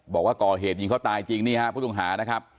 บอกว่าก่อเหตุยิงเขาตายจริงนี่ฮะผู้ต้องหานะครับ